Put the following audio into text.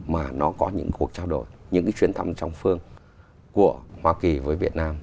mà nó có những cuộc trao đổi những cái chuyến thăm trong phương của hoa kỳ với việt nam